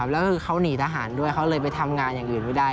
แล้วก็เขาหนีทหารด้วยเขาเลยไปทำงานอย่างอื่นไม่ได้